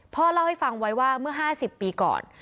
พ่อเล่าให้ฟังไว้ว่าเมื่อ๕๐ปีก่อน